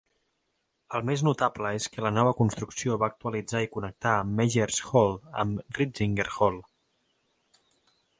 El més notable és que la nova construcció va actualitzar i connectar Meggers Hall amb Ritzinger Hall.